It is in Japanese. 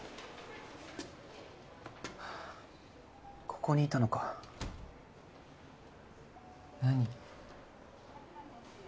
ここにいたのか何？